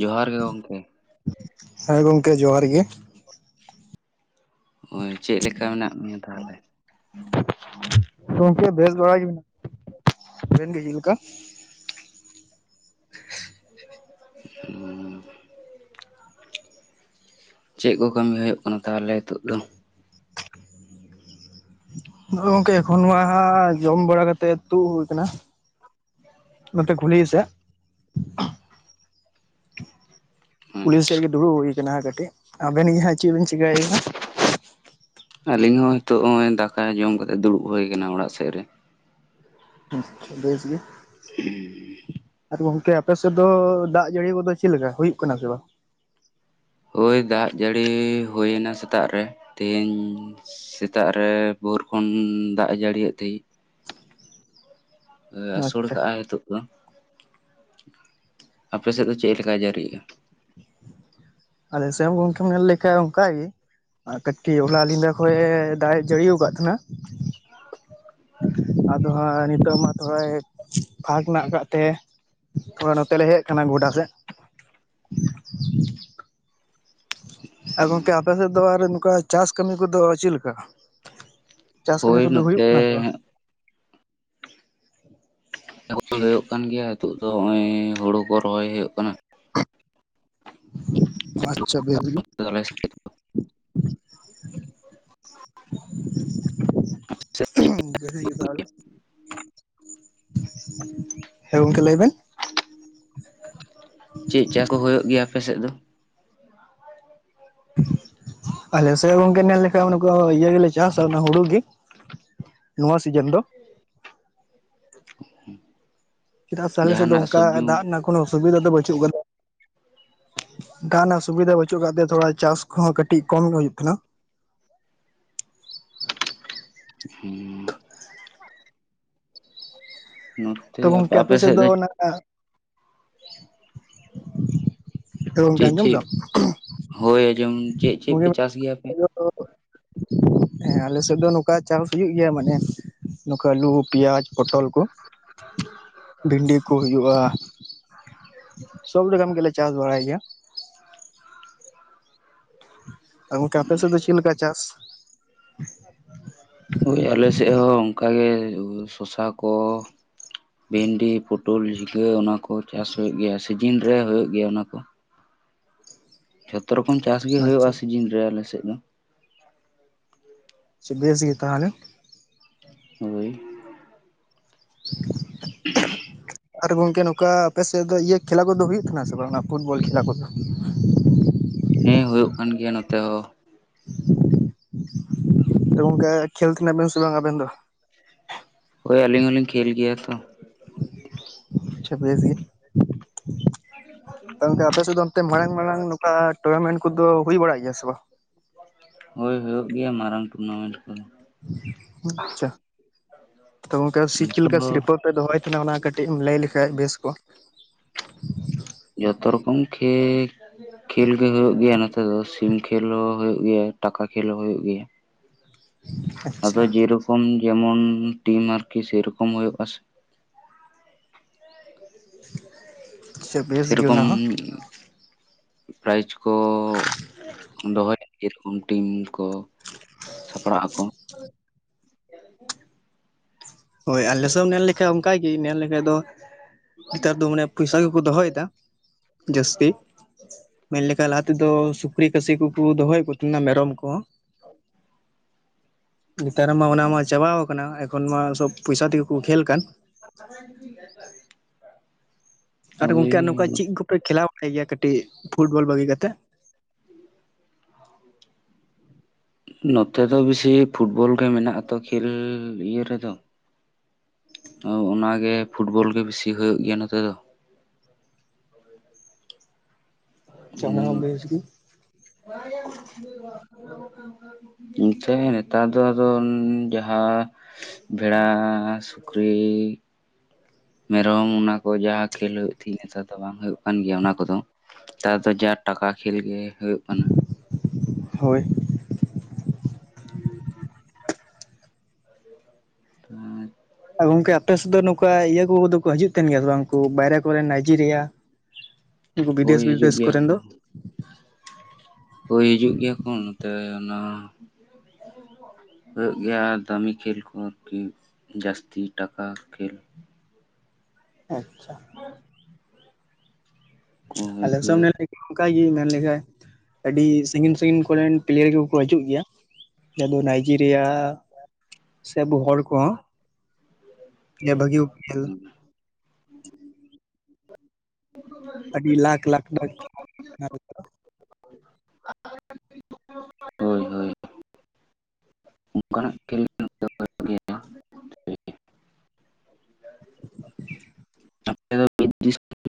ᱡᱚᱦᱟᱨ ᱜᱮ ᱜᱚᱝᱠᱮ᱾ ᱦᱮᱸ ᱜᱚᱝᱠᱮ ᱡᱚᱦᱟᱨ ᱜᱮ᱾ ᱦᱳᱭ᱾ ᱪᱮᱫ ᱞᱮᱠᱟ ᱢᱮᱱᱟᱜ ᱢᱮᱭᱟ ᱛᱟᱦᱚᱞᱮ? ᱜᱚᱢᱠᱮ ᱵᱷᱮᱥ ᱵᱟᱲᱟ ᱜᱮ᱾ᱟᱵᱤᱱ ᱜᱮ ᱪᱮᱫ ᱞᱮᱠᱟ? [inaudible] ᱪᱮᱫ ᱠᱚ ᱠᱟᱹᱢᱤ ᱦᱩᱭᱩᱜ ᱠᱟᱱᱟ ᱛᱟᱦᱚᱞᱮ ᱱᱤᱛᱚᱜ ᱫᱚ? ᱱᱚᱜ ᱜᱚᱝᱠᱮ ᱮᱠᱷᱚᱱ ᱱᱚᱣᱟ ᱡᱚᱢ ᱵᱟᱲᱟ ᱠᱟᱛᱮᱜ ᱛᱩᱫ ᱦᱩᱭ ᱟᱠᱟᱱᱟ᱾ ᱱᱚᱛᱮ ᱠᱷᱩᱞᱦᱤ ᱥᱮᱜ, ᱠᱩᱞᱦᱤ ᱥᱮᱜ ᱟᱪᱪᱷᱟ ᱜᱮ ᱫᱩᱲᱩᱵ ᱦᱩᱭ ᱠᱟᱱᱟ ᱠᱟᱹᱴᱤᱡ, ᱟᱵᱮᱱ ᱜᱮ ᱦᱟᱸᱜ ᱪᱮᱫ ᱵᱮᱱ ᱪᱤᱠᱟᱹᱭᱮᱱᱟ? ᱟᱹᱞᱤᱧ ᱦᱚᱸ ᱱᱤᱛᱚᱜ ᱱᱚᱜᱼᱚᱭ ᱫᱟᱠᱟ ᱡᱚᱢ ᱠᱟᱛᱮ, ᱫᱩᱲᱩᱵ ᱦᱩᱭ ᱟᱠᱟᱱᱟ ᱚᱲᱟᱜ ᱥᱮᱫ ᱨᱮ᱾ [inaudible] ᱵᱮᱥ ᱜᱮ, [inaudible] ᱟᱨ ᱜᱚᱝᱠᱮ ᱟᱯᱮᱥᱮᱫ ᱫᱚ ᱫᱟᱜ ᱡᱟᱹᱲᱤ ᱠᱚᱫᱚ ᱪᱮᱫ ᱞᱮᱠᱟ, ᱦᱩᱭᱩᱜ ᱠᱟᱱᱟ ᱥᱮ ᱵᱟᱝ? ᱦᱳᱭ ᱫᱟᱜ ᱡᱟᱹᱲᱤ ᱦᱩᱭ ᱱᱟ ᱥᱮᱛᱟᱜ ᱨᱮ ᱛᱮᱦᱤᱧ ᱥᱮᱛᱟᱜ ᱨᱮ ᱵᱷᱳᱨ ᱠᱷᱚᱱ ᱫᱟᱜ ᱮ ᱡᱟᱹᱲᱤ ᱮᱫᱚ ᱛᱮᱦᱤᱧ᱾ ᱟᱹᱥᱳᱲ ᱟᱪᱪᱷᱟ ᱠᱟᱜᱼᱟᱭ ᱱᱤᱛᱳᱜ ᱫᱚ, ᱟᱯᱮ ᱥᱮᱫ ᱫᱚ ᱪᱮᱫ ᱞᱮᱠᱟᱭ ᱡᱟᱹᱲᱤ ᱮᱫ-ᱟ? ᱟᱞᱮ ᱥᱮ ᱜᱚᱢᱠᱮ ᱧᱮᱞ ᱞᱮᱠᱷᱟᱡ ᱚᱱᱠᱟᱜ ᱜᱮ᱾ ᱟᱨ ᱠᱟᱹᱴᱤᱡ ᱦᱚᱞᱟ ᱧᱤᱫᱟ ᱠᱷᱚᱜ ᱮ ᱫᱟᱜ ᱡᱟᱹᱲᱤ ᱟᱠᱟᱫ ᱛᱟᱦᱮᱱᱟ᱾ ᱟᱫᱚ ᱦᱟᱸᱜ ᱱᱤᱛᱚᱜ ᱢᱟ ᱦᱟᱸᱜ ᱮ ᱯᱷᱟᱠ ᱱᱟᱜ ᱠᱟᱜ ᱛᱮ ᱱᱚᱛᱮ ᱞᱮ ᱦᱮᱡ ᱟᱠᱟᱱᱟ ᱜᱚᱰᱟ ᱥᱮᱫ᱾ ᱟᱨ ᱜᱚᱝᱠᱮ ᱟᱯᱮ ᱥᱮᱫ ᱫᱚ ᱟᱨ ᱱᱚᱝᱠᱟ ᱪᱟᱥ ᱠᱟᱹᱢᱤ ᱠᱚᱫᱚ ᱪᱮᱫ ᱞᱮᱠᱟ? ᱪᱟᱥ ᱠᱟᱹᱢᱤ ᱦᱳᱭ ᱠᱚᱫᱚ ᱦᱩᱭᱩᱜ ᱱᱚᱛᱮ ᱠᱟᱱᱟ ᱥᱮ ᱵᱟᱝ? ᱦᱩᱭᱩᱜ ᱠᱟᱱ ᱜᱮᱭᱟ ᱱᱤᱛᱚᱜ ᱫᱚ ᱱᱚᱜᱼᱚᱭ ᱦᱳᱲᱳ ᱠᱚ ᱨᱚᱦᱚᱭ ᱦᱩᱭᱩᱜ ᱠᱟᱱᱟ᱾ ᱟᱪᱪᱷᱟ ᱵᱮᱥ ᱜᱮ ᱾ [inaudible] ᱵᱮᱥᱤ ᱜᱮ ᱛᱟᱦᱚᱞᱮ᱾ ᱦᱮᱸ ᱜᱚᱢᱠᱮ ᱞᱟᱹᱭ ᱵᱮᱱ? ᱪᱮᱫ ᱪᱟᱥ ᱠᱚ ᱦᱩᱭᱩᱜ ᱜᱮᱭᱟ ᱟᱯᱮᱥᱮᱫ ᱫᱚ? ᱟᱞᱮ ᱥᱮ ᱜᱚᱢᱠᱮ ᱧᱮᱞ ᱞᱮᱠᱷᱟᱱ ᱩᱱᱠᱩ ᱤᱭᱟᱹ ᱜᱮᱞᱮ ᱪᱟᱥᱟ ᱚᱱᱟ ᱦᱩᱲᱩ ᱜᱮ᱾ ᱱᱚᱣᱟ ᱥᱤᱡᱮᱱ ᱫᱚ᱾ [inaudible] ᱪᱮᱫᱟᱜ ᱥᱮ ᱟᱞᱮ ᱥᱮᱫ ᱫᱚ ᱡᱟᱦᱟᱱᱟᱜ ᱚᱱᱠᱟ ᱥᱚᱵᱽᱡᱤ? ᱫᱟᱜ ᱨᱮᱱᱟᱜ ᱠᱳᱱᱳ ᱚᱥᱩᱵᱤᱫᱷᱟ ᱫᱚ ᱵᱟᱹᱪᱩᱜ ᱠᱟᱫᱟ᱾ ᱫᱟᱜ ᱨᱮᱱᱟᱜ ᱥᱩᱵᱤᱫᱷᱟ ᱵᱟᱹᱪᱩᱜ ᱟᱠᱟᱫ ᱛᱮ ᱛᱷᱚᱲᱟ ᱪᱟᱥ ᱠᱚᱦᱚᱸ ᱠᱟᱹᱴᱤᱡ ᱠᱚᱢ ᱦᱩᱭᱩᱜ ᱠᱟᱱᱟ᱾ ᱦᱩᱸ ᱛᱚ ᱜᱟᱝᱠᱮ ᱟᱯᱮ ᱥᱮᱫ ᱫᱚ ᱱᱟᱜᱼᱟᱜ ᱪᱮᱫ ᱪᱮᱫ, ᱦᱳᱭ ᱡᱮᱢᱚᱱ ᱪᱮᱫ-ᱪᱮᱫ ᱯᱮ ᱪᱟᱥ ᱜᱮᱭᱟ ᱯᱮ? ᱦᱮᱸ ᱟᱞᱮ ᱥᱮᱫ ᱫᱚ ᱱᱚᱝᱠᱟ ᱪᱟᱥ ᱦᱩᱭᱩᱜ ᱜᱮᱭᱟ ᱢᱟᱱᱮ ᱱᱚᱝᱠᱟ ᱟᱹᱞᱩ, ᱯᱮᱸᱭᱟᱡ, ᱯᱚᱴᱚᱞ ᱠᱚ᱾ [inaudible] ᱵᱷᱤᱱᱰᱤ ᱠᱚ ᱦᱩᱭᱩᱜᱼᱟ᱾ ᱥᱚᱵ ᱨᱚᱠᱚᱢ ᱜᱮᱞᱮ ᱪᱟᱥ ᱵᱟᱲᱟᱭ ᱜᱮᱭᱟ᱾ ᱟᱨ ᱜᱚᱝᱠᱮ ᱟᱯᱮ ᱥᱮᱫ ᱫᱚ ᱪᱮᱫ ᱞᱮᱠᱟ ᱪᱟᱥ? ᱦᱳᱭ ᱟᱞᱮ ᱥᱮᱫ ᱦᱚᱸ ᱚᱱᱠᱟᱜᱮ ᱥᱚᱥᱟ ᱠᱚ᱾ ᱵᱷᱤᱱᱰᱤ ᱯᱚᱴᱚᱞ ᱡᱷᱤᱸᱜᱟᱹ ᱚᱱᱟ ᱠᱚ ᱪᱟᱥ ᱦᱩᱭᱩᱜ ᱜᱮᱭᱟ, ᱥᱤᱡᱤᱱ ᱨᱮ ᱦᱩᱭᱩᱜ ᱜᱮᱭᱟ ᱚᱱᱟ ᱠᱚ᱾ ᱡᱚᱛᱚ ᱨᱚᱠᱚᱢ ᱪᱟᱥ ᱜᱮ ᱦᱩᱭᱩᱜᱼᱟ, ᱟᱪᱪᱷᱟ ᱥᱤᱡᱤᱱ ᱨᱮ ᱟᱞᱮᱥᱮᱫ ᱫᱚ᱾ ᱥᱮ ᱵᱮᱥ ᱜᱮ ᱛᱟᱦᱚᱞᱮ᱾ ᱦᱳᱭ [inaudible] [unintelligible] ᱟᱨ ᱜᱚᱝᱠᱮ ᱱᱚᱝᱠᱟ ᱟᱯᱮ ᱥᱮᱫ ᱫᱚ ᱤᱭᱟᱹ ᱠᱷᱮᱞᱟ ᱠᱚᱫᱚ ᱦᱩᱭᱩᱜ ᱠᱟᱱᱟ ᱥᱮ ᱵᱟᱝ ᱯᱷᱩᱴᱵᱚᱞ ᱠᱷᱮᱞᱟ ᱠᱚᱫᱚ? ᱦᱮᱸ ᱦᱳᱭᱳᱜ ᱠᱟᱱ ᱜᱮᱭᱟ ᱱᱚᱛᱮ ᱦᱚᱸ᱾ ᱜᱚᱝᱠᱮ ᱠᱷᱮᱹᱞ ᱛᱮᱱᱟᱜ ᱵᱮᱱ ᱥᱮ ᱵᱟᱝ ᱟᱵᱮᱱ ᱫᱚ᱾ ᱦᱳᱭ ᱟᱹᱞᱤᱧ ᱦᱚᱞᱤᱧ ᱠᱷᱮᱞ ᱜᱮᱭᱟ ᱛᱚ᱾ ᱟᱪᱪᱷᱟ ᱵᱤᱥ ᱜᱮ ᱛᱚ ᱜᱚᱢᱠᱮ ᱟᱯᱮ ᱥᱮᱫ ᱫᱚ ᱢᱟᱲᱟᱝ ᱢᱟᱨᱟᱝ ᱱᱚᱝᱠᱟ ᱴᱩᱨᱱᱟᱢᱮᱱᱴ ᱠᱚᱫᱚ ᱦᱩᱭ ᱵᱟᱲᱟᱭ ᱜᱮᱭᱟ ᱥᱮ ᱵᱟᱝ? ᱦᱳᱭ ᱦᱩᱭᱩᱜ ᱜᱮᱭᱟ ᱢᱟᱨᱟᱝ ᱴᱩᱨᱱᱟᱢᱮᱱᱴ ᱠᱚᱫᱚ᱾ ᱟᱪᱪᱷᱟ ᱛᱚ ᱚᱱᱠᱟ ᱡᱚᱛᱚ ᱪᱮᱫᱠᱟ ᱥᱤᱨᱯᱟᱹ ᱯᱮ ᱫᱚᱦᱚᱭ ᱛᱟᱦᱮᱱᱟ ᱚᱱᱟ ᱠᱟᱹᱴᱤᱡ ᱠᱟᱹᱴᱤᱡ ᱮᱢ ᱞᱟᱹᱭ ᱞᱮᱠᱷᱷᱟᱡ ᱵᱮᱥ ᱠᱚᱜᱼᱟ᱾ ᱡᱚᱛᱚ ᱨᱚᱠᱚᱢ ᱠᱷᱮᱞ ᱠᱷᱮᱞ ᱜᱮ ᱦᱩᱭᱩᱜ ᱜᱮᱭᱟ ᱱᱚᱛᱮ ᱫᱚ ᱥᱤᱢ ᱠᱷᱮᱞ ᱦᱚᱸ ᱦᱩᱭᱩᱜ ᱜᱮᱭᱟ ᱴᱟᱠᱟ ᱠᱷᱮᱞ ᱦᱚᱸ ᱦᱩᱭᱩᱜ ᱜᱮᱭᱟ᱾ ᱟᱫᱚ ᱟᱪᱪᱷᱟ ᱡᱮᱨᱚᱠᱚᱢ ᱡᱮᱢᱚᱱ ᱴᱤᱢ ᱟᱨᱠᱤ ᱥᱮᱨᱚᱠᱚᱢ ᱦᱩᱭᱩᱜᱼᱟᱥᱮ᱾ [inaudible] ᱜᱮ ᱥᱮᱨᱚᱠᱚᱢ ᱚᱱᱟ ᱦᱚᱸ ᱯᱨᱟᱭᱤᱡᱽ ᱠᱚ ᱫᱚᱦᱚᱭᱟ ᱨᱚᱠᱚᱢ ᱴᱤᱢ ᱠᱚ ᱥᱟᱯᱲᱟᱜ ᱟᱠᱚ᱾ ᱦᱳᱭ ᱟᱞᱮᱥᱮᱫ ᱮᱢ ᱧᱮᱞ ᱞᱮᱠᱷᱟᱡ ᱚᱱᱠᱟ ᱜᱮ ᱧᱮᱞ ᱞᱮᱠᱷᱟᱡ ᱫᱚ ᱱᱮᱛᱟᱨ ᱫᱚ ᱢᱟᱱᱮ ᱯᱚᱭᱥᱟ ᱜᱮᱠᱚ ᱫᱚᱦᱚᱭᱮᱫᱟ ᱡᱟᱹᱥᱛᱤ᱾ ᱢᱮᱱ ᱞᱮᱠᱷᱟᱱ ᱞᱟᱦᱟ ᱛᱮᱫᱚ ᱥᱩᱠᱨᱤ ᱠᱟᱹᱥᱤ ᱠᱚᱠᱚ ᱫᱚᱦᱚᱭᱮᱫ ᱠᱚ ᱛᱟᱦᱮᱱᱟ ᱢᱮᱨᱚᱢ ᱠᱚᱦᱚᱸ᱾ ᱱᱮᱛᱟᱨ ᱢᱟ ᱚᱱᱟᱢᱟ ᱪᱟᱵᱟᱣ ᱟᱠᱟᱱᱟ᱾ ᱮᱠᱷᱚᱱ ᱢᱟ ᱥᱚᱵ ᱯᱚᱭᱥᱟ ᱛᱮᱜᱮ ᱠᱚ ᱠᱷᱮᱞ ᱠᱟᱱ᱾ [unintelligible] ᱟᱨ ᱳᱭ ᱜᱚᱝᱠᱮ ᱱᱚᱝᱠᱟ ᱪᱮᱫ ᱠᱚᱯᱮ ᱠᱷᱮᱞᱟᱣ ᱵᱟᱲᱟᱭ ᱜᱮᱭᱟ ᱠᱟᱹᱴᱤᱡ ᱯᱷᱩᱴᱵᱚᱞ ᱵᱟᱹᱜᱤ ᱠᱟᱛᱮᱫ? ᱱᱚᱛᱮ ᱫᱚ ᱵᱮᱥᱤ ᱯᱷᱩᱴᱵᱚᱞ ᱜᱮ ᱢᱮᱱᱟᱜ ᱟᱛᱚ ᱠᱷᱮᱞ ᱤᱭᱟᱹ ᱨᱮᱫᱚ᱾ ᱚᱱᱟᱜᱮ ᱯᱷᱩᱴᱵᱚᱞ ᱜᱮ ᱵᱮᱥᱤ ᱦᱩᱭᱩᱜ ᱜᱮᱭᱟ ᱱᱚᱛᱮ ᱫᱚ᱾ ᱟᱪᱪᱷᱟ ᱟᱱᱟ ᱜᱮ ᱵᱮᱥ ᱜᱮ᱾ [unintelligible] ᱤᱱᱠᱟᱹ ᱱᱮᱛᱟᱨ ᱫᱚ ᱟᱫᱚ ᱡᱟᱦᱟᱸ ᱵᱷᱮᱲᱟ, ᱥᱩᱠᱨᱤ ᱢᱮᱨᱚᱢ ᱚᱱᱟ ᱠᱚ ᱡᱟᱦᱟᱸ ᱠᱷᱮᱞ ᱦᱩᱭᱩᱜ ᱛᱤᱧ ᱱᱮᱛᱟᱨ ᱫᱚ ᱵᱟᱝ ᱦᱩᱭᱩᱜ ᱠᱟᱱ ᱜᱮᱭᱟ ᱚᱱᱟ ᱠᱚᱫᱚ᱾ ᱛᱟᱨ ᱫᱚ ᱡᱟ ᱴᱟᱠᱟ ᱠᱷᱮᱞ ᱜᱮ ᱦᱩᱭᱩᱜ ᱠᱟᱱᱟ᱾ ᱦᱳᱭ᱾ [inaudible] [inaudible] ᱜᱚᱝᱠᱮ ᱟᱯᱮ ᱥᱮᱫ ᱫᱚ ᱚᱱᱠᱟ ᱤᱭᱟᱹ ᱠᱚᱫᱚ ᱠᱚ ᱦᱤᱡᱩᱜ ᱛᱟᱦᱮᱱ ᱜᱮᱭᱟ ᱥᱮ ᱵᱟᱝᱠᱩ ᱵᱟᱭᱨᱮ ᱠᱚᱨᱮᱱ ᱱᱟᱭᱡᱮᱨᱤᱭᱟ? ᱩᱱᱠᱩ ᱦᱳᱭ ᱵᱤᱫᱮᱥ ᱦᱤᱡᱩᱜ ᱵᱤᱫᱮᱥ ᱜᱮᱭᱟ ᱠᱚᱨᱮᱱ ᱫᱚ᱾ ᱦᱩᱭ ᱦᱤᱡᱩᱜ ᱜᱮᱭᱟ ᱠᱚ ᱱᱚᱛᱮ ᱚᱱᱟ ᱦᱩᱭᱩᱜ ᱜᱮᱭᱟ ᱫᱟᱹᱢᱤ ᱠᱷᱮᱞ ᱠᱚ ᱟᱨᱠᱤ ᱡᱟᱹᱥᱛᱤ ᱴᱟᱠᱟ ᱠᱷᱮᱞ᱾ ᱟᱪᱪᱷᱟ᱾ ᱠᱚ ᱟᱞᱮ ᱦᱩᱭᱩᱜ ᱜᱮᱭᱟ [unintelligible] ᱚᱱᱠᱟᱱ ᱤᱭᱟᱹ ᱢᱮᱱ ᱞᱮᱠᱟᱱ ᱟᱹᱰᱤ ᱥᱟᱺᱜᱤᱧ ᱥᱟᱺᱜᱤᱧ ᱠᱚᱨᱮᱱ ᱯᱞᱮᱭᱟᱨ ᱜᱮ ᱠᱚ ᱦᱤᱡᱩᱜ ᱜᱮᱭᱟ᱾ ᱟᱫᱚ ᱱᱟᱭᱡᱮᱨᱤᱭᱟ ᱥᱮ ᱟᱵᱚ ᱦᱚᱲ ᱠᱚᱦᱚᱸ᱾ ᱦᱮᱸ ᱵᱷᱟᱹᱜᱤ ᱠᱚ ᱠᱷᱮᱞ᱾ [inaudible] ᱟᱹᱰᱤ ᱞᱟᱠᱷ ᱞᱟᱠᱷ [unintelligible] [inaudible] ᱦᱳᱭ ᱦᱳᱭ ᱚᱱᱠᱟᱱᱟᱜ ᱠᱷᱮᱞ ᱦᱩᱭᱩᱜ ᱜᱮᱭᱟ [inaudible] ᱟᱯᱮ ᱫᱚ [unintelligible]